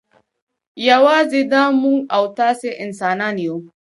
یوازې دا موږ او تاسې انسانان یو.